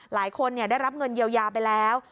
หลายคนได้รับเงินเยียวยาไปแล้ว